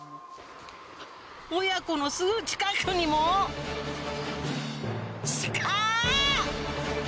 親子のすぐ近くにもシカ！